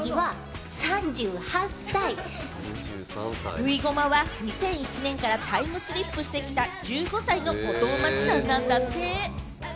ぶいごまは、２００１年からタイムスリップしてきた１５歳の後藤真希さんなんだって。